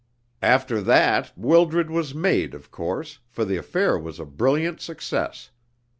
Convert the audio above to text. "After that, Wildred was made, of course, for the affair was a brilliant success.